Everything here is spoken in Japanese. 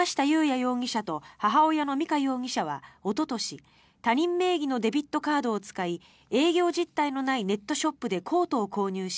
容疑者と母親の美香容疑者はおととし、他人名義のデビットカードを使い営業実態のないネットショップでコートを購入し